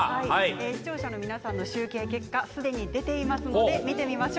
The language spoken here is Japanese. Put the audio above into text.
視聴者の皆さんの集計結果すでに出ていますので見てみます。